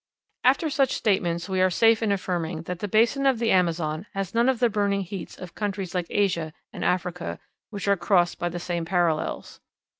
After such statements we are safe in affirming that the basin of the Amazon has none of the burning heats of countries like Asia and Africa, which are crossed by the same parallels.